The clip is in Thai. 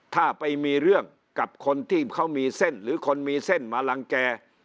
ถ้าไปมีเรื่องกับคนที่เขามีเส้นหรือคนมีเส้นมาลังแก่